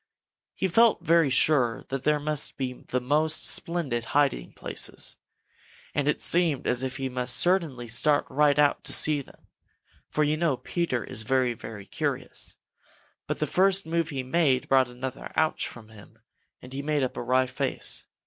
He felt sure that there must be the most splendid hiding places, and it seemed as if he certainly must start right out to see them, for you know Peter is very, very curious. But the first move he made brought another "Ouch" from him, and he made up a wry face.